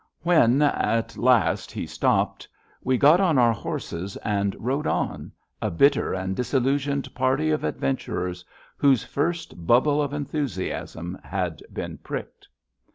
When, at last, he stopped, we got on our horses and rode on, a bitter and disillusioned party of adventurers whose first bubble of enthusiasm had been pricked.